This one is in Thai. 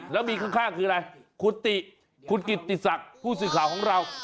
แล้วมีข้างคืออะไรคุณติคุณกิตติศักดิ์ผู้สื่อข่าวของเรา